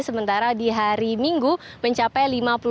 sementara di hari minggu mencapai lima puluh delapan